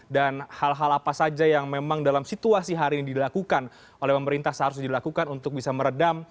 dan hal hal apa saja yang memang dalam situasi hari ini dilakukan oleh pemerintah seharusnya dilakukan untuk bisa meredam